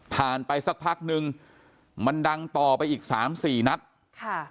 ไปสักพักนึงมันดังต่อไปอีกสามสี่นัดค่ะ